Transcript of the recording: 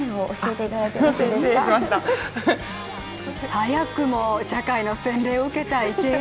早くも社会の洗礼を受けた池江。